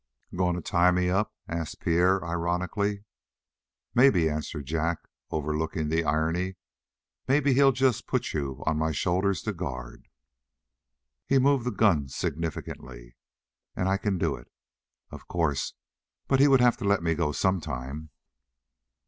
"Going to tie me up?" asked Pierre ironically. "Maybe," answered Jack, overlooking the irony. "Maybe he'll just put you on my shoulders to guard." He moved the gun significantly. "And I can do it." "Of course. But he would have to let me go sometime."